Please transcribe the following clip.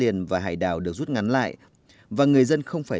tiền và hải đảo được rút ngắn lại và người dân không phải